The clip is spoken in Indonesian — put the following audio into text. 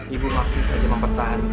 ibu laksis saja mempertahankan benda celaka